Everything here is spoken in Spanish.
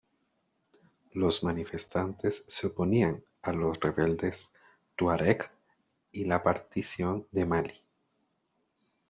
Los manifestantes se oponían a los rebeldes tuareg y la partición de Malí.